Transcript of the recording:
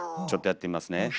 ちょっとやってみますね。